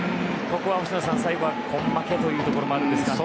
ここは最後は根負けというところもあるんですか。